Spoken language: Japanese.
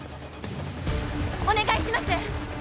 お願いします